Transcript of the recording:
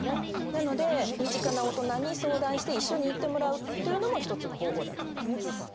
なので身近な大人に相談して一緒に行ってもらうっていうのも一つの方法だと思います。